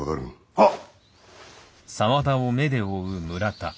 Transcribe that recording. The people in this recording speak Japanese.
はっ！